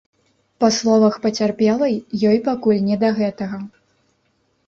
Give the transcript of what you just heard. Па словах пацярпелай, ёй пакуль не да гэтага.